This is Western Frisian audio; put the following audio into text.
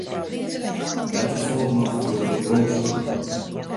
Letter folge noch Joop Boomsma.